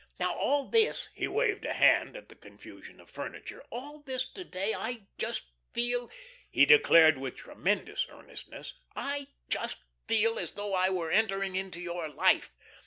Now, all this," he waved a hand at the confusion of furniture, "all this to day I just feel," he declared with tremendous earnestness, "I just feel as though I were entering into your life.